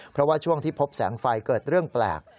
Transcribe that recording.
เพราะว่าช่วงที่พบแสงไฟเกิดเรื่องแปลก